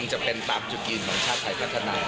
จะเป็นตามจุดยืนของชาติไทยพัฒนา